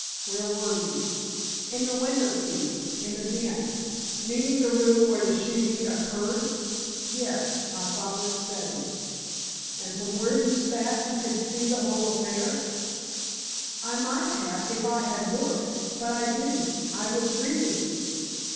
"Where were you?" "In the window seat—in the den." "Meaning the room where the shooting occurred?" "Yes. My father's study." "And from where you sat, you could see the whole affair?" "I might have—if I had looked—but I didn't. I was reading."